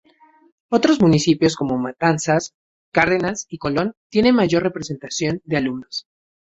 Otros municipios como Matanzas, Cárdenas y Colón tienen mayor representación de alumnos.